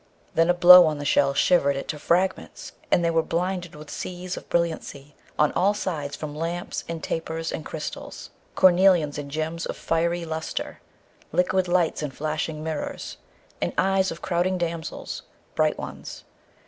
Then a blow on the shell shivered it to fragments, and they were blinded with seas of brilliancy on all sides from lamps and tapers and crystals, cornelians and gems of fiery lustre, liquid lights and flashing mirrors, and eyes of crowding damsels, bright ones.